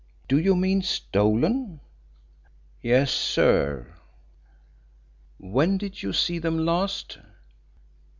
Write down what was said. Do you mean stolen?" "Yes, sir." "When did you see them last?"